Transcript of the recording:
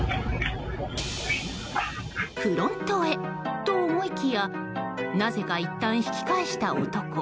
フロントへと思いきやなぜかいったん引き返した男。